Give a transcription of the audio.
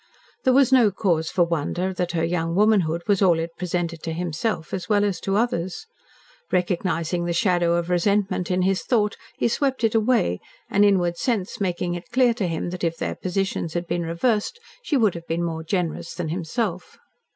There was no cause for wonder that her young womanhood was all it presented to himself, as well as to others. Recognising the shadow of resentment in his thought, he swept it away, an inward sense making it clear to him that if their positions had been reversed, she would have been more generous than himself.